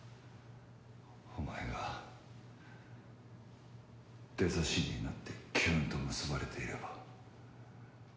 お前がデザ神になってキューンと結ばれていれば。